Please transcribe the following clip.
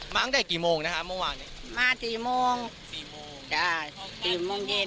ม้างได้กี่โมงนะคะเมื่อวานมาสี่โมงสี่โมงได้สี่โมงเย็น